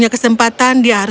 ketika dia beetmo